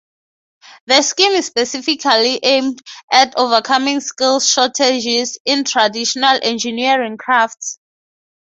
The scheme is specifically aimed at overcoming skills shortages in traditional engineering crafts.